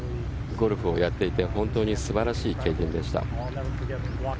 ゴルフをやっていて本当に素晴らしい経験でした。